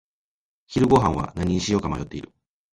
昼ごはんは何にしようか迷っている。